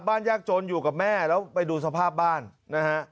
ยากจนอยู่กับแม่แล้วไปดูสภาพบ้านนะฮะ